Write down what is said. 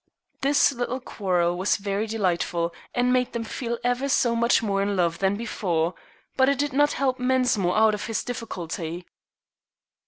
This little quarrel was very delightful, and made them feel ever so much more in love than before; but it did not help Mensmore out of his difficulty.